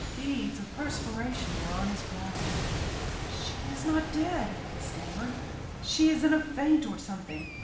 Beads of perspiration were on his brow. "She is not dead," he stammered. "She is in a faint or something.